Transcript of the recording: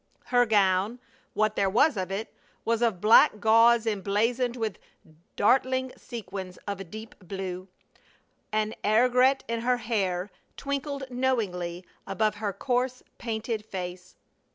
Her gown, what there was of it, was of black gauze emblazoned with dartling sequins of deep blue. An aigret in her hair twinkled knowingly above her coarse, painted face.